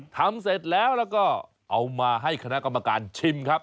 ทำเสร็จแล้วแล้วก็เอามาให้คณะกรรมการชิมครับ